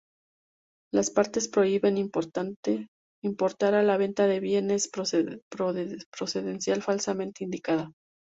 Las partes prohíben importar o la venta de bienes de procedencia falsamente indicada.